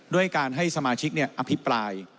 ด้วยการให้สมาชิกอภิปราย